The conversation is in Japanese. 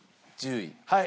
はい。